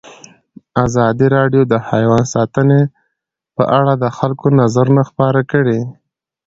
ازادي راډیو د حیوان ساتنه په اړه د خلکو نظرونه خپاره کړي.